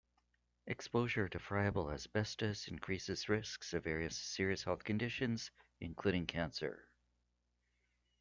Exposure to friable asbestos increases risks of various serious health conditions, including cancer.